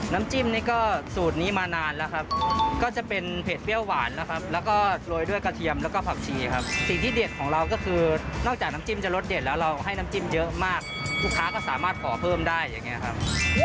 น้ำจิ้มนี่ก็สูตรนี้มานานแล้วครับก็จะเป็นเผ็ดเปรี้ยวหวานนะครับแล้วก็โรยด้วยกระเทียมแล้วก็ผักชีครับสิ่งที่เด็ดของเราก็คือนอกจากน้ำจิ้มจะรสเด็ดแล้วเราให้น้ำจิ้มเยอะมากลูกค้าก็สามารถขอเพิ่มได้อย่างนี้ครับ